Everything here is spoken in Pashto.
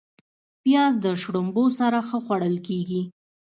پیاز د شړومبو سره ښه خوړل کېږي